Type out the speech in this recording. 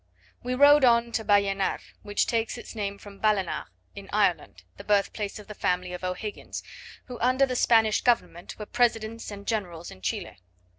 We rode on to Ballenar, which takes its name from Ballenagh in Ireland, the birthplace of the family of O'Higgins, who, under the Spanish government, were presidents and generals in Chile.